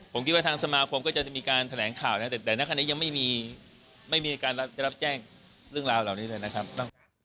ผมคิดว่าทางสมาคมก็จะมีการแถลงข่าวนะแต่ในขณะนี้ยังไม่มีการรับแจ้งเรื่องราวเหล่านี้เลยนะครับ